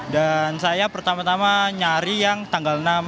dan saya pertama tama nyari yang tanggal enam